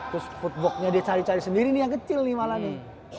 terus footworknya dia cari cari sendiri nih yang kecil nih malah nih